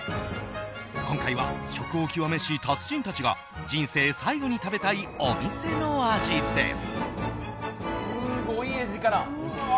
今回は食を究めし達人たちが人生最後に食べたいお店の味です。